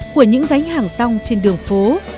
của những gánh hàng song trên đường phố